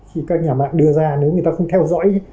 khi các nhà mạng đưa ra nếu người ta không theo dõi